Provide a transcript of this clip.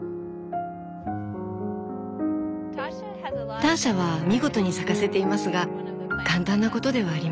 ターシャは見事に咲かせていますが簡単なことではありません。